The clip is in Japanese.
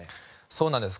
そうなんです。